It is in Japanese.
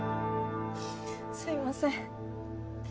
すいません